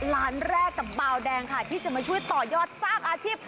ล้านแรกกับบาวแดงค่ะที่จะมาช่วยต่อยอดสร้างอาชีพ